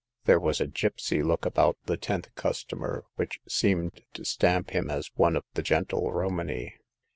There was a gipsy look about the tenth customer, which seemed to stamp him as one of the gentle Romany.